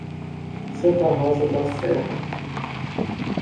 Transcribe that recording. Santa Rosa da Serra